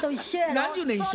何十年一緒。